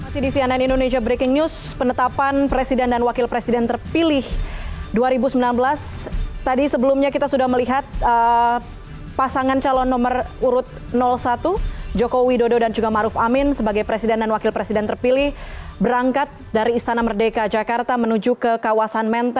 cnn indonesia breaking news